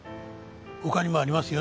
他にもありますよ